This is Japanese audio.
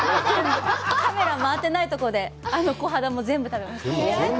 カメラ回ってないとこで、あのコハダも全部、食べました。